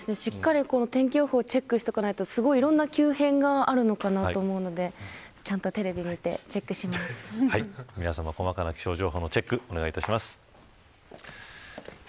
しっかり天気予報をチェックしておかないといろんな急変があるのかと思うのでちゃんとテレビを見て皆さま、細かな気象情報のチェックをお願いします。